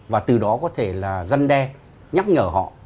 và từ đó có thể là dân đe nhắc nhở họ